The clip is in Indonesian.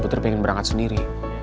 putri pengen berangkat sendiri